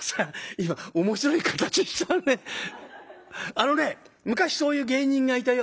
あのね昔そういう芸人がいたよ。